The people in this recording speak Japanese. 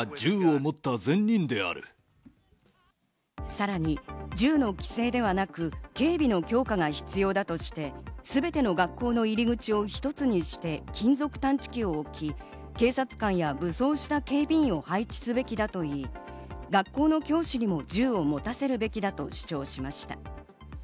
さらに銃の規制ではなく、警備の強化が必要だとして、すべての学校の入り口を一つにして金属探知機を置き、警察官や武装した警備員を配置すべきだといい、学校の教師にも銃を持たせるべきだと主張しました。